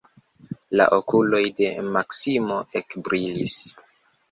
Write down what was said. La okuloj de Maksimo ekbrilis.